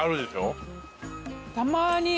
たまに。